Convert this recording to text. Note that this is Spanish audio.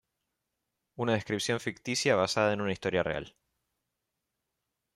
Una descripción ficticia basada en una historia real.